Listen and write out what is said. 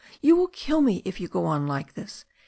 You will kill me if you go on like this.